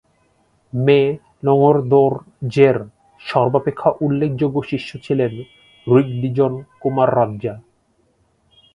মে-লোং-র্দো-র্জের সর্বাপেক্ষা উল্লেখযোগ্য শিষ্য ছিলেন রিগ-'দ্জিন-কু-মা-রা-রা-দ্জা।